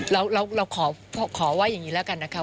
เราขอว่าอย่างนี้แล้วกันนะคะ